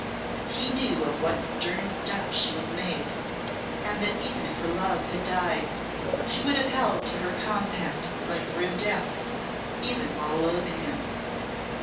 He knew of what stern stuff she was made, and that even if her love had died, she would have held to her compact like grim death, even while loathing him.